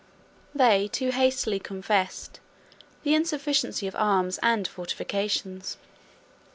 They too hastily confessed the insufficiency of arms and fortifications.